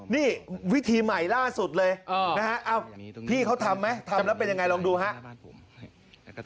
นี่วิธีใหม่ล่าสุดเลยนะฮะ